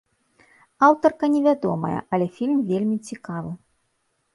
Аўтарка невядомая, але фільм вельмі цікавы.